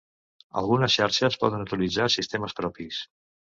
Algunes xarxes poden utilitzar sistemes propis.